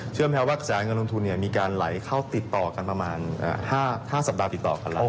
เชื่อมั้ยว่าใจเงินลงทุนเนี่ยมีการไหลเข้าติดต่อกันประมาณ๕สัปดาห์ติดต่อกันแล้ว